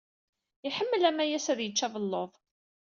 Iḥemmel Amayas ad yečč abelluḍ.